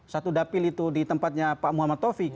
satu dapil itu di tempatnya pak muhammad taufik